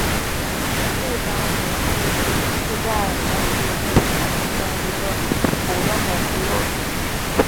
对掌拇肌是在拇指底部形成一个鼓起的肌肉之一。